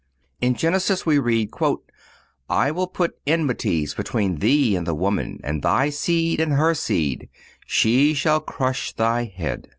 In Genesis we read: "I will put enmities between thee and the woman, and thy seed and her seed; she shall crush thy head."